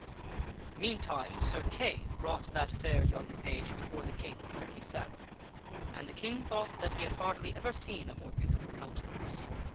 Meantime, Sir Kay brought that fair young page before the King; where he sat, and the King thought that he had hardly ever seen a more beautiful countenance.